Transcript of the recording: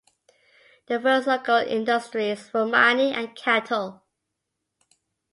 The first local industries were mining and cattle.